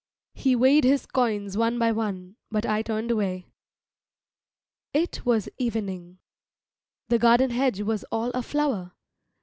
He weighed his coins one by one, but I turned away. It was evening. The garden hedge was all aflower.